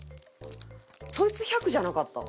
そいつ１００じゃなかった？